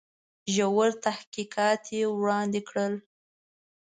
ژور تحقیقات یې وړاندي کړل.